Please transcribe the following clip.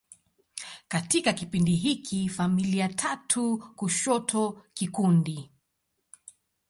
Katika kipindi hiki, familia tatu kushoto kikundi.